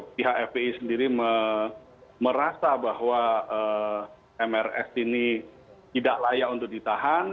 pihak fpi sendiri merasa bahwa mrs ini tidak layak untuk ditahan